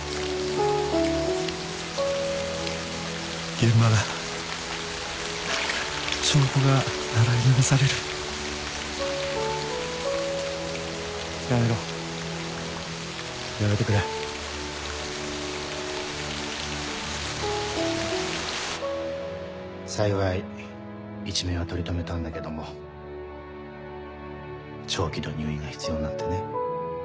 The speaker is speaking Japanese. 現場が証拠が洗い流されるやめろやめてくれ幸い一命は取り留めたんだけども長期の入院が必要になってね。